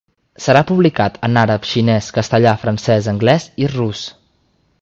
Serà publicat en àrab, xinès, castellà, francès, anglès i rus.